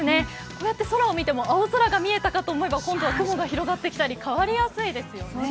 こうやって空を見ても、青空が見えたかと思えば今度は雲が広がってきたり、変わりやすいですね。